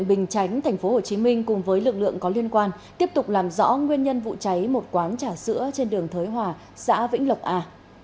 bình chánh tp hcm cùng với lực lượng có liên quan tiếp tục làm rõ nguyên nhân vụ cháy một quán trà sữa trên đường thới hòa xã vĩnh lộc a